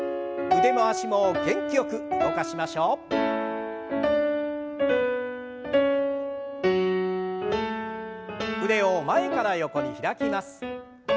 腕を前から横に開きます。